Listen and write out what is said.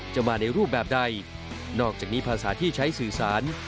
จะมาในรูปแบบใดนอกจากนี้ภาษาที่ใช้สื่อสาร